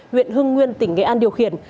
huyện hưng nguyên tỉnh nghệ an điều khiển